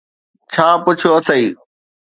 ڇا پڇيو اٿئي؟